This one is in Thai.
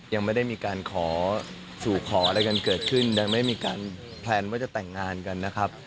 ยังไม่ได้มีการขอสู่ขออะไรกันเกิดขึ้นยังไม่มีการแพลนว่าจะแต่งงานกันนะครับ